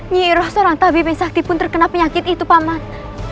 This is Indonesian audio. nyihiroh seorang tabib yang sakti pun terkena penyakit itu paman